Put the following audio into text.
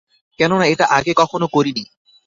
কেননা এটা আগে কখনো করিনি।